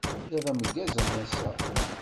Iḍ ameggaz a massa.